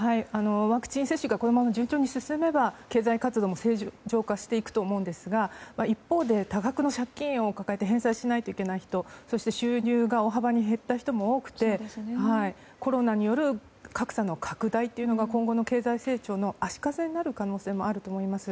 ワクチン接種がこのまま順調に進めば経済活動も正常化していくと思うんですが一方、多額の借金を抱えて返済しないといけない人そして、収入が大幅に減った人も多くてコロナによる格差の拡大が今後の経済成長の足かせになる可能性もあると思います。